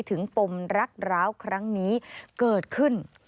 ปมรักร้าวครั้งนี้เกิดขึ้น